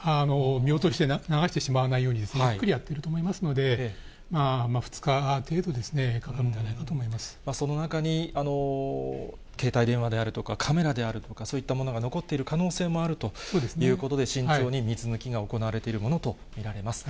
見落として、流してしまわないように、ゆっくりやってると思いますので、２日程度ですね、かかるその中に携帯電話であるとか、カメラであるとか、そういったものが残っている可能性もあるということで、慎重に水抜きが行われているものと見られます。